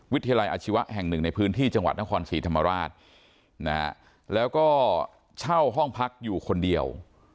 วิทยาลัยอาชีวะแห่งหนึ่งในพื้นที่จังหวัดนครศรีธรรมราชแล้วก็เช่าห้องพักอยู่คนเดียว